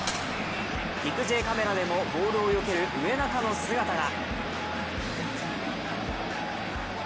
キクＪＣＡＭでもボールをよける植中の姿が。